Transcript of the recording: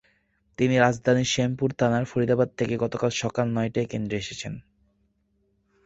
তিনি রাজধানীর শ্যামপুর থানার ফরিদাবাদ থেকে গতকাল সকাল নয়টায় কেন্দ্রে এসেছেন।